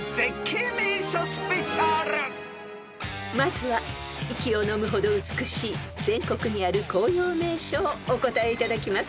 ［まずは息をのむほど美しい全国にある紅葉名所をお答えいただきます］